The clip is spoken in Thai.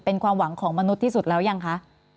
เป็นความหวังของมนุษย์ที่สุดแล้วยังคะ